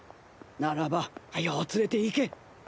ならば早う連れていけ。